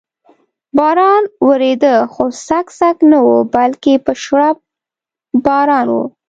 باران ورېده، خو څک څک نه و، بلکې په شړپ باران و.